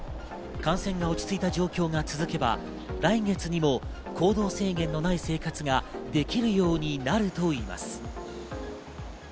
感染が落ち着いた状況が続けば、来月にも行動制限のない生活ができるようになるといいます。